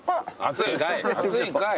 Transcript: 熱いんかい。